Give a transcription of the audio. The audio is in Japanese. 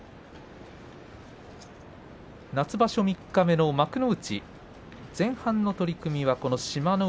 夏場所三日目の幕内前半の取組は、この志摩ノ